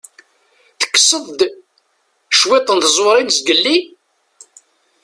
Tekkseḍ-d cwiṭ n tẓuṛin zgelli?